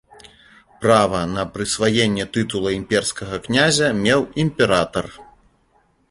Права на прысваенне тытула імперскага князя меў імператар.